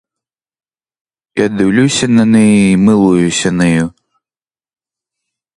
Я дивлюся на неї й милуюся нею.